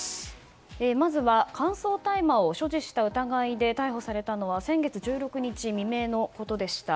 まずは乾燥大麻を所持した疑いで逮捕されたのは先月１６日未明のことでした。